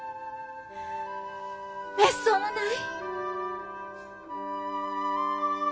めっそうもない！